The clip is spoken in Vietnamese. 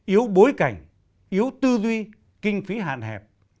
yếu bối cảnh yếu tư duy kinh phí hạn hẹp